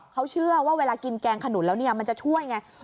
เขาเชื่อว่าเวลากินแกงขนุนแล้วมันจะช่วยอย่างไร